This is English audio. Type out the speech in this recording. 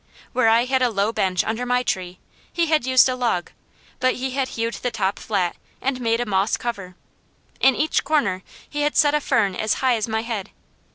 Where I had a low bench under my tree, he had used a log; but he had hewed the top flat, and made a moss cover. In each corner he had set a fern as high as my head.